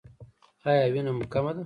ایا وینه مو کمه ده؟